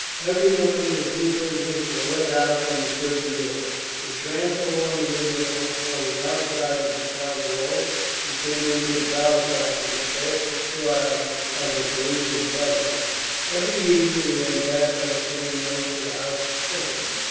Every morning the two prisoners were let out from the prison door, they tramped along the river bank on the outside of the town wall, and came into the powder factory past the storehouses of the Khalifa's bodyguard. Every evening they went back by the same road to the House of Stone.